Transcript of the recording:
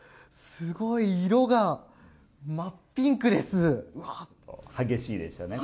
すごい、色が真っピンクです。